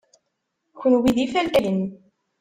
Kenwi d ifalkayen.